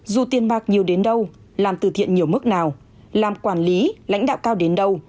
dù tiền bạc nhiều đến đâu làm từ thiện nhiều mức nào làm quản lý lãnh đạo cao đến đâu